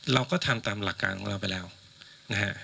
เราก็ทำตามหลักการของเราไปแล้วนะฮะ